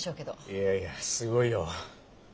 いやいやすごいよ。